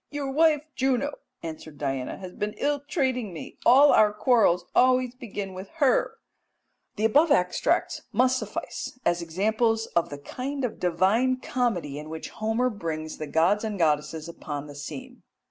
"'Your wife, Juno,' answered Diana, 'has been ill treating me; all our quarrels always begin with her.'" The above extracts must suffice as examples of the kind of divine comedy in which Homer brings the gods and goddesses upon the scene.